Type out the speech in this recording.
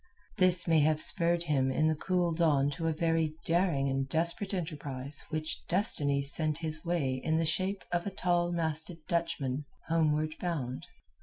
This may have spurred him in the cool dawn to a very daring and desperate enterprise which Destiny sent his way in the shape of a tall masted Dutchman homeward bound.